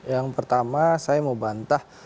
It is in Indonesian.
yang pertama saya mau bantah